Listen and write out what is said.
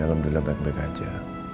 alhamdulillah baik baik aja